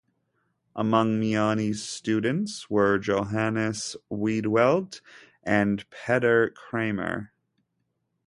Among Miani's students were Johannes Wiedewelt and Peder Cramer.